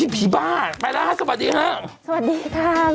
ผีบ้าไปแล้วค่ะสวัสดีค่ะ